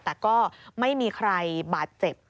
แต่ก็ไม่มีใครบาดเจ็บ